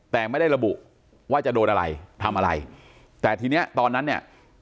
แต่ไม่ได้ระบุว่าจะโดนอะไรทำอะไรแต่ทีเนี้ยตอนนั้นเนี่ย